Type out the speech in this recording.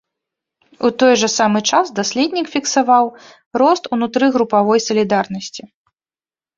У той жа самы час даследнік фіксаваў рост унутрыгрупавой салідарнасці.